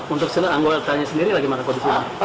untuk sila anggota nya sendiri bagaimana kondisinya